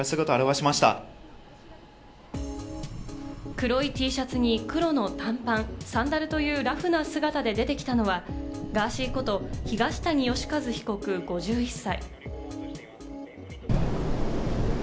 黒いＴシャツに黒の短パン、サンダルというラフな姿で出てきたのはガーシーこと東谷義和被告、５１歳。